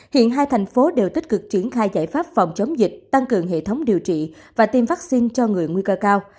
hiện hai thành phố đều tích cực triển khai giải pháp phòng chống dịch tăng cường hệ thống điều trị và tiêm vaccine cho người nguy cơ cao